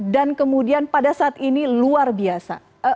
dan kemudian pada saat ini luar biasa